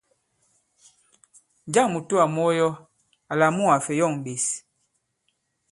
Njâŋ mùtoà mu ɔ yɔ àlà mu ka-fè yɔ̀ŋ ɓěs?